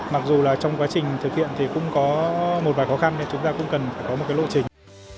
mặc dù là trong quá trình thực hiện thì cũng có một vài khó khăn nên chúng ta cũng cần phải có một lộ trình